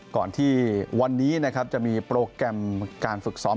ก่อนที่วันนี้นะครับจะมีโปรแกรมการฝึกซ้อม